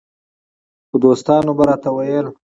خو دوستانو به راته ویل